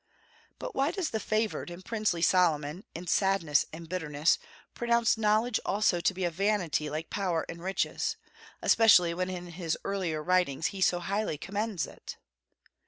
But why does the favored and princely Solomon, in sadness and bitterness, pronounce knowledge also to be a vanity like power and riches, especially when in his earlier writings he so highly commends it?